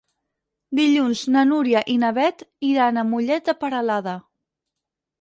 Dilluns na Núria i na Beth iran a Mollet de Peralada.